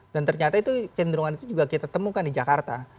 ternyata itu cenderung itu juga kita temukan di jakarta